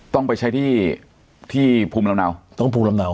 ต้องไปใช้ที่ภูมิระบราบหนาว